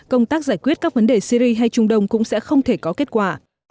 công tác giải quyết các vấn đề syri hay trung đông cũng sẽ không thể có kết quả